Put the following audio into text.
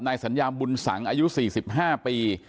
สัญญามบุญสังอายุ๔๕ปี